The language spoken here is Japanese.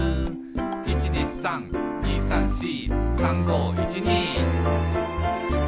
「１２３２３４」「３５１２」